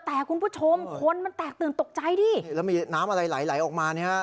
แต่คุณผู้ชมคนมันแตกตื่นตกใจดินี่แล้วมีน้ำอะไรไหลออกมาเนี่ยฮะ